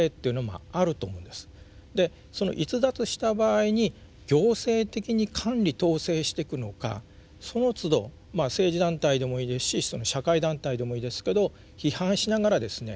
でその逸脱した場合に行政的に管理統制してくのかそのつど政治団体でもいいですし社会団体でもいいですけど批判しながらですね